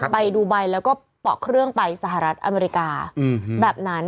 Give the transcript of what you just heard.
ไปดูไบแล้วก็เปาะเครื่องไปสหรัฐอเมริกาแบบนั้น